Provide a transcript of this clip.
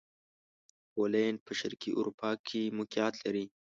پولېنډ په شرقي اروپا کښې موقعیت لري.